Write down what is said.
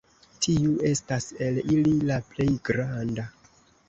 Tiu estas el ili la plej granda.